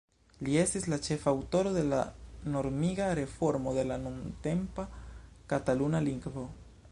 Li estis la ĉefa aŭtoro de la normiga reformo de la nuntempa Kataluna lingvo.